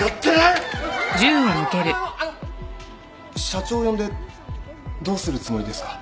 社長を呼んでどうするつもりですか？